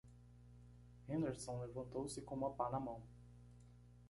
Henderson levantou-se com uma pá na mão.